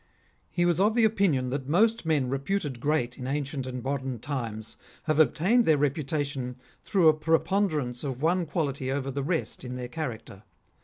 He was of opinion that most men reputed great in ancient and modern times have obtained their reputation through a preponderance of one quality over the rest in their character.